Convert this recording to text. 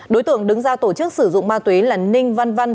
đối tượng đứng ra tổ chức sử dụng ma túy là ninh văn văn